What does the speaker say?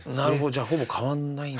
じゃあほぼ変わんないんだ。